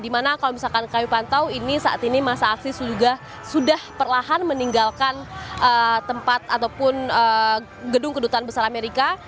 di mana kalau misalkan kami pantau ini saat ini masa aksi juga sudah perlahan meninggalkan tempat ataupun gedung kedutaan besar amerika